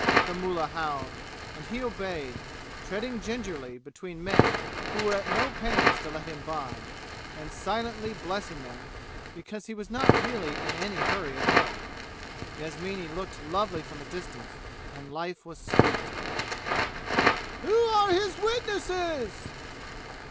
the mullah howled, and he obeyed, treading gingerly between men who were at no pains to let him by, and silently blessing them, because he was not really in any hurry at all. Yasmini looked lovely from a distance, and life was sweet. "Who are his witnesses?"